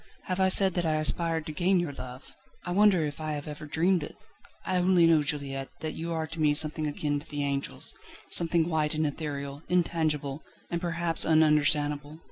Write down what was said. Have I said that I aspired to gain your love? I wonder if I have ever dreamed it? I only know, Juliette, that you are to me something akin to the angels, something white and ethereal, intangible, and perhaps ununderstandable.